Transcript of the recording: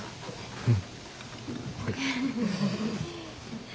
うん。